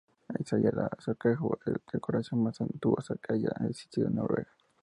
Ahí se halla el sarcófago de decoración más suntuosa que haya existido en Noruega.